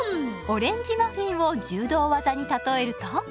オレンジマフィンを柔道技に例えると？